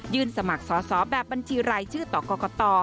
ยื่นสมัครสอสอแบบบัญชีรายชื่อต่อกกต่อ